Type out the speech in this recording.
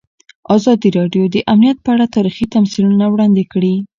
ازادي راډیو د امنیت په اړه تاریخي تمثیلونه وړاندې کړي.